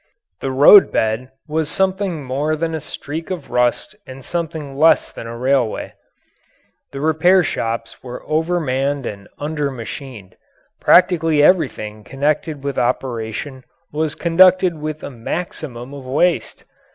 The roadbed was something more than a streak of rust and something less than a railway. The repair shops were over manned and under machined. Practically everything connected with operation was conducted with a maximum of waste.